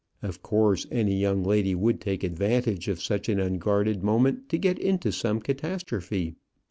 Of course any young lady would take advantage of such an unguarded moment to get into some catastrophe.